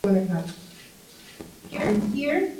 Conduce el programa "Mi pareja puede" y de radio "¡Ya parate!